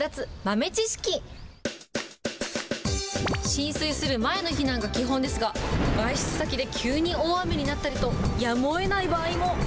浸水する前の避難が基本ですが、外出先で急に大雨になったりと、やむをえない場合も。